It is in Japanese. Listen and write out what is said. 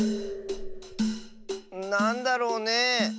なんだろうねえ。